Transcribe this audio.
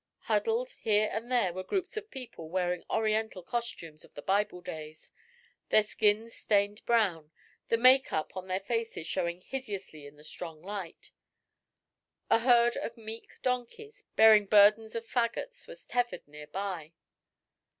Huddled here and there were groups of people wearing Oriental costumes of the Bible days, their skins stained brown, the make up on their faces showing hideously in the strong light. A herd of meek donkeys, bearing burdens of faggots, was tethered near by.